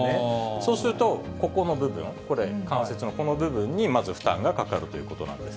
そうすると、ここの部分、これ、関節のこの部分にまず負担がかかるということなんです。